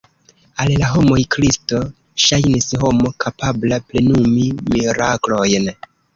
Al la homoj Kristo ŝajnis homo kapabla plenumi miraklojn.